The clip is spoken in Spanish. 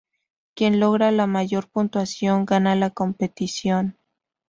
Quien logra la mayor puntuación gana la competición.